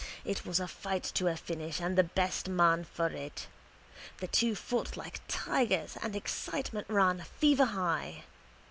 It was a fight to a finish and the best man for it. The two fought like tigers and excitement ran fever high.